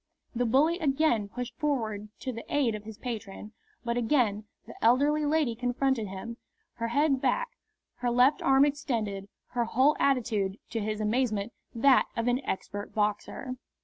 The bully again pushed forward to the aid of his patron, but again the elderly lady confronted him, her head back, her left arm extended, her whole attitude, to his amazement, that of an expert boxer.